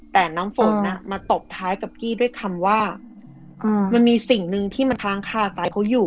แต่น้ำฝนมาตบท้ายกับกี้ด้วยคำว่ามันมีสิ่งหนึ่งที่มันค้างคาใจเขาอยู่